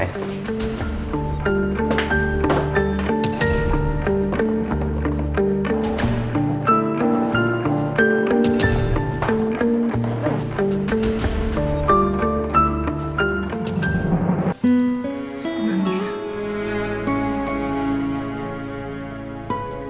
periksa dulu pak